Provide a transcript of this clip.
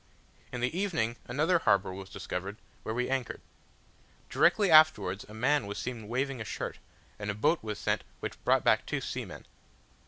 In the evening another harbour was discovered, where we anchored. Directly afterwards a man was seen waving a shirt, and a boat was sent which brought back two seamen.